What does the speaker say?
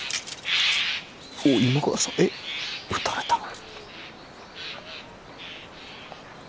おっ今川さんえっ討たれたの？